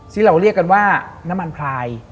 ซึ่งเราเรียกกันว่าน้ำมันพลาย